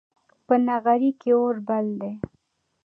په نغري کې اور بل دی